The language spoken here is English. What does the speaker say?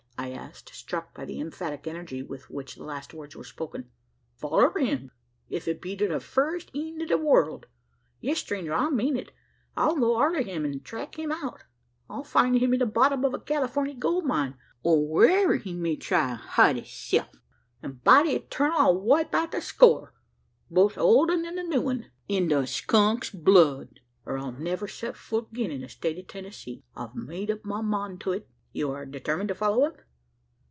I asked, struck by the emphatic energy with which the last words were spoken. "Foller him, if it be to the furrest eend o' the world! Yes, stranger! I mean it. I'll go arter him, an' track him out. I'll find him in the bottom o' a Californey gold mine, or wherever he may try to hide hisself; an', by the etarnal! I'll wipe out the score both the old un and the new un in the skunk's blood, or I'll never set fut agin in the state o' Tennessee. I've made up my mind to it." "You are determined to follow him?"